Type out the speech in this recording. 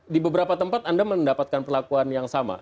di beberapa tempat anda mendapatkan perlakuan yang sama